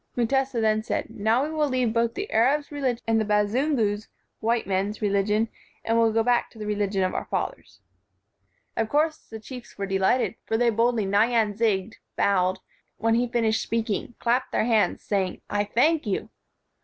Mutesa then said, "Now we will leave both the Arab's religion and the Bazungu's [white men's] religion, and will go back to the religion of our fathers." 129 WHITE MAN OF WORK Of course the chiefs were delighted, for they boldly "nyanzigged" [bowed] when he finished speaking, clapping their hands, say ing "I thank you!"